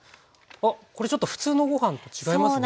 あっこれちょっと普通のご飯と違いますね。